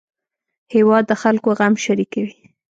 هېواد د خلکو غم شریکوي